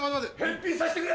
返品させてくれ！